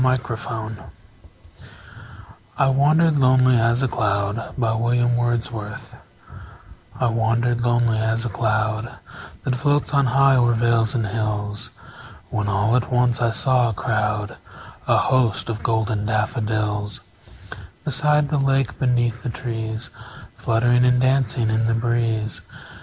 William Wordsworth I Wandered Lonely As a Cloud I WANDERED lonely as a cloud That floats on high o'er vales and hills, When all at once I saw a crowd, A host, of golden daffodils; Beside the lake, beneath the trees, Fluttering and dancing in the breeze.